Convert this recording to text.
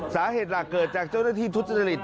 สาเหตุหลักเกิดจากเจ้าหน้าที่ทุจริต